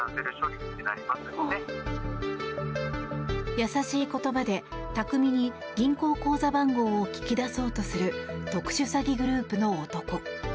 優しい言葉で巧みに銀行口座番号を聞き出そうとする特殊詐欺グループの男。